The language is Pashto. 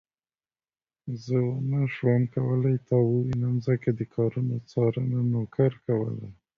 زه ونه شوم کولای تا ووينم ځکه د کارونو څارنه نوکر کوله.